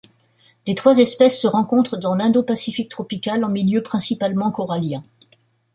Les trois espèces se rencontrent dans l'Indo-Pacifique tropical, en milieu principalement corallien.